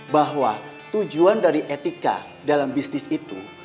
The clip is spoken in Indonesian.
bahwa tujuan dari etika dalam bisnis itu